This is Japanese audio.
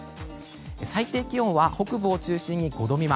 最低気温は北部を中心に５度未満。